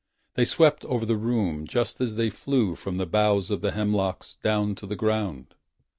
They swept over the room. Just as they flew from the boughs of the hemlocks Down to the ground.